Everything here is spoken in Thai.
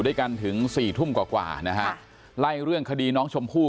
ด้วยกันถึงสี่ทุ่มกว่ากว่านะฮะไล่เรื่องคดีน้องชมพู่